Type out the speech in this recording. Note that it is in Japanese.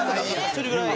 それぐらい。